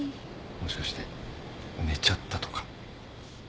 もしかして寝ちゃったとか。